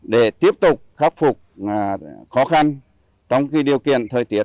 để tiếp tục khắc phục khó khăn trong điều kiện thời tiết